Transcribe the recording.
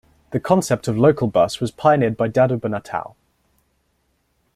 The concept of Local Bus was pioneered by Dado Banatao.